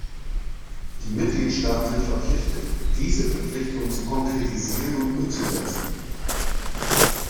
Die Mitgliedstaaten sind verpflichtet, diese Verpflichtungen zu konkretisieren und umzusetzen.